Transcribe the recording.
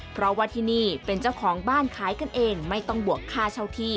เพราะว่าที่นี่เป็นเจ้าของบ้านขายกันเองไม่ต้องบวกค่าเช่าที่